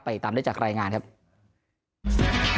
ตามได้จากรายงานครับ